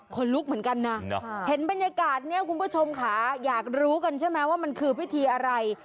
คนลุกเหมือนกันนะเห็นบรรยากาศเนี่ยคุณผู้ชมค่ะอยากรู้กันใช่ไหมว่ามันคือพิธีอะไร